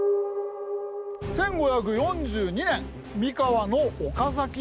１５４２年三河の岡崎城で誕生。